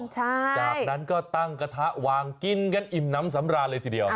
จากนั้นก็ตั้งกระทะวางกินกันอิ่มน้ำสำราญเลยทีเดียว